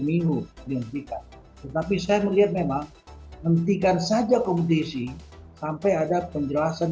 minggu dihentikan tetapi saya melihat memang hentikan saja kompetisi sampai ada penjelasan